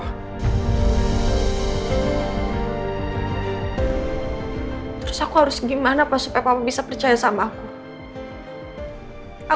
terus aku harus gimana pak supaya papa bisa percaya sama aku